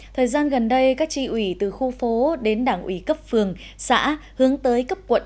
thời gian gần đây các tri ủy từ khu phố đến đảng ủy cấp phường xã hướng tới cấp quận